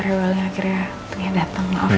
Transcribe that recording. rewelnya akhirnya dateng